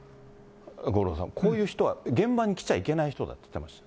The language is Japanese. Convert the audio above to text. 五郎さん、こういう人は現場に来ちゃいけない人だって言ってました。